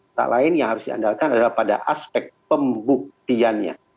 tak lain yang harus diandalkan adalah pada aspek pembuktiannya